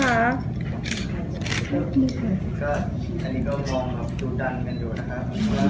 อันนี้ก็มองดูนะคะ